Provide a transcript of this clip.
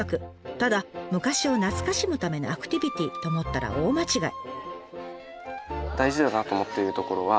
ただ昔を懐かしむためのアクティビティーと思ったら大間違い。